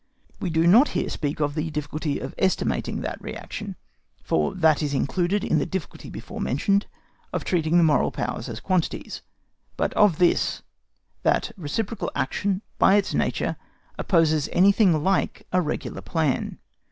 We do not here speak of the difficulty of estimating that reaction, for that is included in the difficulty before mentioned, of treating the moral powers as quantities; but of this, that reciprocal action, by its nature, opposes anything like a regular plan.